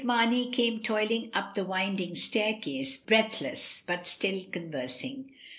Mamey came toiling up the winding staircase, breath less, but still conversing.